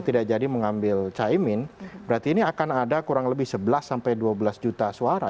tidak jadi mengambil caimin berarti ini akan ada kurang lebih sebelas sampai dua belas juta suara